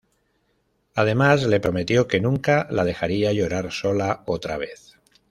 Además, le prometió que nunca la dejaría llorar sola otra vez.